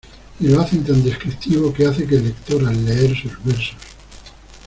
Y lo hace tan descriptivo, que hace que el lector, al leer sus versos.